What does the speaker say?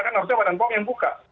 karena harusnya waran bom yang buka